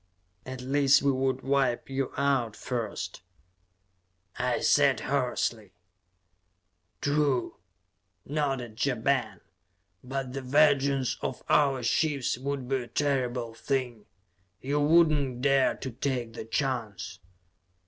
"At least, we would wipe you out first," I said hoarsely. "True," nodded Ja Ben. "But the vengeance of our ships would be a terrible thing! You would not dare to take the chance!"